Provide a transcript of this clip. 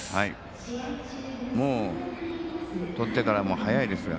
もうとってからも早いですよ。